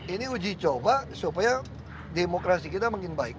ini uji coba supaya demokrasi kita makin baik